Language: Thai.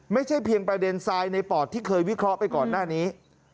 ไม่ใช่เพียงประเด็นทรายในปอดที่เคยวิเคราะห์ไปก่อนหน้านี้